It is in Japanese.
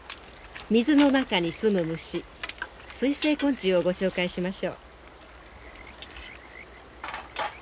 水の中にすむ虫水生昆虫をご紹介しましょう。